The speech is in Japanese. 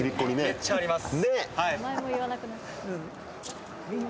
めっちゃあります。